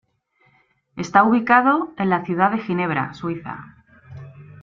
Está ubicado en la ciudad de Ginebra, Suiza.